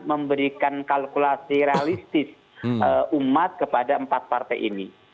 memberikan kalkulasi realistis umat kepada empat partai ini